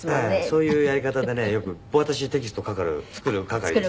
そういうやり方でねよく私テキスト書く作る係でしたから。